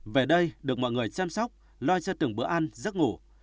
về đây được mọi người chăm sóc lo cho từng bữa ăn giấc ngủ